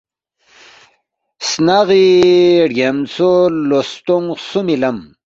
سناغی رگیامژھو لو ستونگ خسُومی لم،